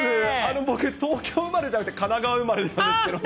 僕、東京生まれじゃなくて、神奈川生まれなんですけどね。